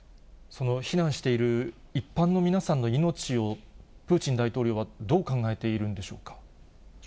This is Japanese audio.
その避難している一般の皆さんの命をプーチン大統領はどう考えているんでしょうか。